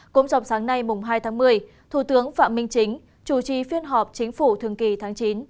cũng trong sáng nay mùng hai tháng một mươi thủ tướng phạm minh chính chủ trì phiên họp chính phủ thường kỳ tháng chín